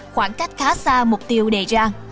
khoảng cách khá xa mục tiêu đề ra